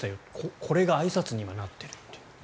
これが今、あいさつになっているという。